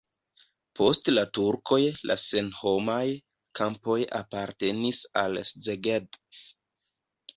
Post la turkoj la senhomaj kampoj apartenis al Szeged.